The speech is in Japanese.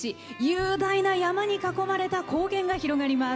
雄大な山に囲まれた高原が広がります。